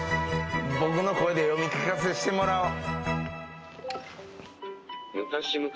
僕の声で読み聞かせしてもらおう。